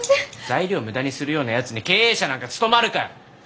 材料を無駄にするようなやつに経営者なんか務まるか！